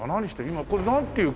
今これなんていう？